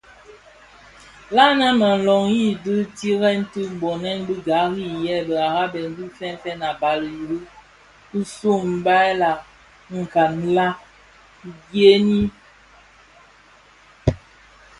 Lanne më nloghi dhi tirèd ti bodhèn bi gari yi bë araben bi fènfèn a bali Ire kisu: Mbai la? nkan la? dhëni.